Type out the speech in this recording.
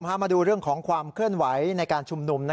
มาดูเรื่องของความเคลื่อนไหวในการชุมนุม